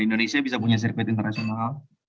indonesia bisa punya sirkuit internasional